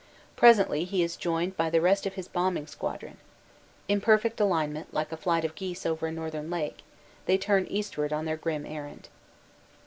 Presently he is joined by the rest of his bombing squadron. In perfect alignment, like flight of geese over northern lake, they turn eastward on their grim errand.